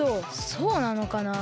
そうなのかなあ。